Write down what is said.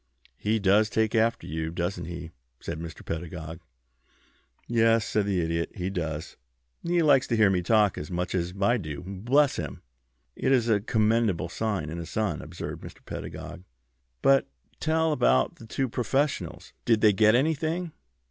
"He does take after you, doesn't he?" said Mr. Pedagog. "Yes," said the Idiot, "he does. He likes to hear me talk as much as I do, bless him!" "It is a commendable sign in a son," observed Mr. Pedagog. "But tell about the two professionals. Did they get anything?"